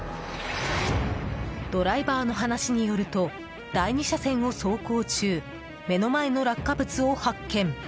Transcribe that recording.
ドライバーの話によると第２車線を走行中目の前の落下物を発見。